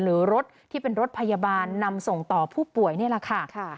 หรือรถที่เป็นรถพยาบาลนำส่งต่อผู้ป่วยนี่แหละค่ะ